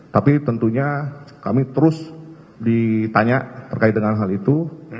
tapi tentunya kami terus ditanya terkait dengan hal itu